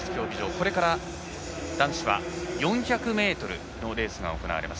これから男子は４００ｍのレースが行われます。